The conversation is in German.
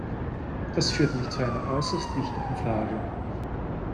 Das führt mich zu einer äußerst wichtigen Frage.